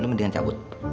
lu mendingan cabut